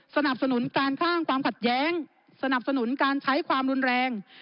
สนับสนุนการสร้างความขัดแย้งสนับสนุนการใช้ความรุนแรง